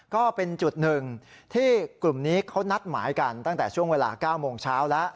ก็เป็นจุดหนึ่งที่กลุ่มนี้เขานัดหมายกันตั้งแต่ช่วงเวลา๙โมงเช้าแล้ว